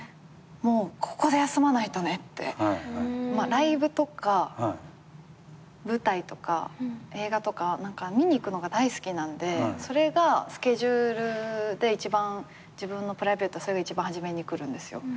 ライブとか舞台とか映画とか見に行くのが大好きなのでそれがスケジュールで自分のプライベートそれが一番初めにくるんですよ。